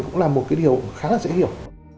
cũng là một điều khá dễ hiểu